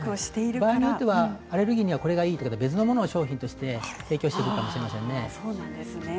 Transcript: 場合によってはアレルギーにはこれがいいと別のものを商品として提供してくるかもしれませんね。